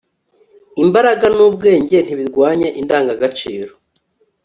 imbaraga n'ubwenge ntibirwanya indangagaciro